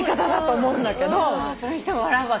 それにしても笑うわ。